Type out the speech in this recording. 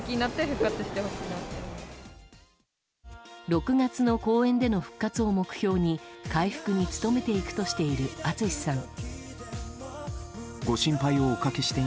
６月の公演での復活を目標に回復に努めていくとしているＡＴＳＵＳＨＩさん。